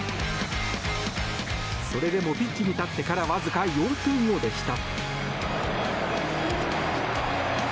それでもピッチに立ってからわずか４分後でした。